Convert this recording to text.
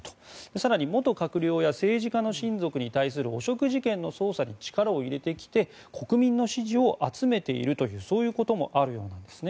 更に元閣僚や政治家の親族に対する汚職事件の捜査に力を入れてきて国民の支持を集めているというそういうこともあるようです。